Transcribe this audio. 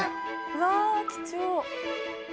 うわ貴重。